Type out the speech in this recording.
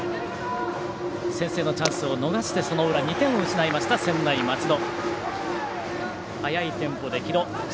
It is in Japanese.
先制のチャンスを逃してその裏、２点を失いました専大松戸。